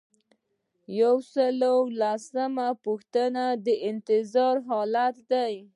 یو سل او لسمه پوښتنه د انتظار حالت دی.